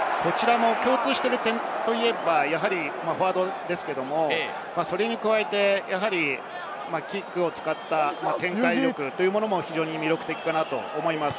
共通しているのはやはりフォワードですけれども、それに加えてキックを使った展開力も非常に魅力的かと思います。